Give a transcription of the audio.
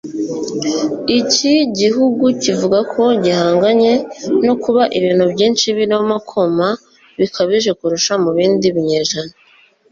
Iki gihugu kivuga ko gihanganye no kuba ibintu byinshi birimo kuma bikabije kurusha mu bindi binyejana